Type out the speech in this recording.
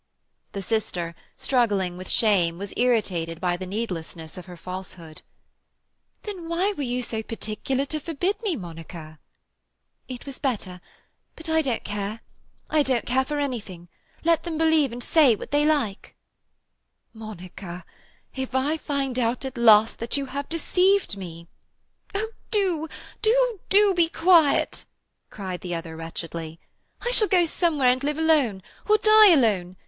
The sister, struggling with shame, was irritated by the needlessness of her falsehood. "Then why were you so particular to forbid me, Monica?" "It was better—but I don't care. I don't care for anything. Let them believe and say what they like—" "Monica, if I find out at last that you have deceived me—" "Oh, do, do, do be quiet!" cried the other wretchedly. "I shall go somewhere and live alone—or die alone.